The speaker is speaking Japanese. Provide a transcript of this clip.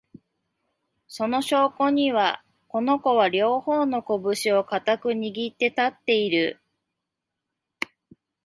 その証拠には、この子は、両方のこぶしを固く握って立っている